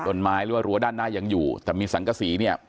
ดนไม้รั้วรั้วด้านหน้าอย่างอยู่แต่มีสังกะศรีเนี่ย